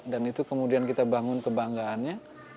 dan itu kemudian kita bangun kebanggaannya